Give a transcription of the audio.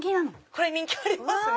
これ人気ありますね。